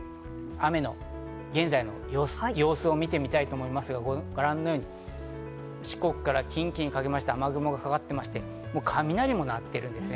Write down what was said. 現在の雨の様子を見てみたいと思いますが、ご覧のように四国から近畿にかけまして、雨雲がかかっていまして、雷も鳴っているんですね。